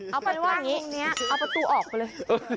เอาแบบนี้เอาประตูออกไปเลย